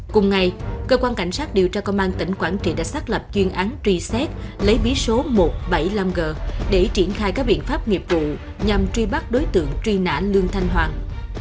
cùng ngày cơ quan cảnh sát điều tra công an tỉnh quảng trị đã xác lập chuyên án truy xét lấy bí số một trăm bảy mươi năm g để triển khai các biện pháp nghiệp vụ nhằm truy bắt đối tượng truy nã lương thanh hoàng